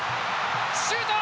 シュート！